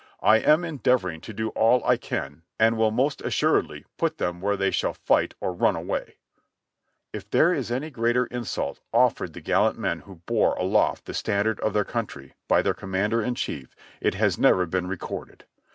I am endeavoring to do all I can and will most assuredly put them where they shall fight or run away." (Reb. Records, Vol. 12, p. 83.) If there is any greater insult offered the gallant men who bore aloft the standard of their country, by their commander in chief, it has never been recorded.